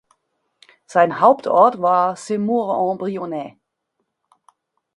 Sein Hauptort war Semur-en-Brionnais.